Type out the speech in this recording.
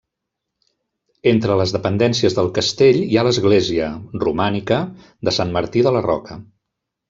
Entre les dependències del castell hi ha l'església, romànica, de Sant Martí de la Roca.